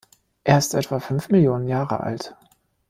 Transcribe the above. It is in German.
Er ist etwa fünf Millionen Jahre alt.